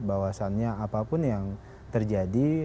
bahwasannya apapun yang terjadi